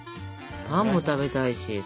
パンも食べたいし。